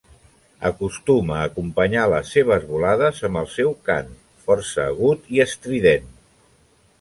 Acostuma a acompanyar les seves volades amb el seu cant, força agut i estrident.